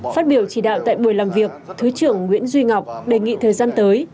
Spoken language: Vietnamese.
phát biểu chỉ đạo tại buổi làm việc thứ trưởng nguyễn duy ngọc đề nghị thời gian tới